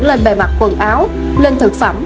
lên bề mặt quần áo lên thực phẩm